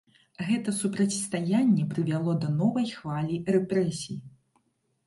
Гэта супрацьстаянне прывяло да новай хвалі рэпрэсій.